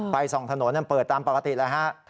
ไฟ๒ถนนเปิดตามปกติแล้ว